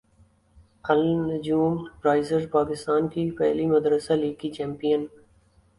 النجوم risers Pakistan کی پہلی مدرسہ لیگ کی چیمپیئن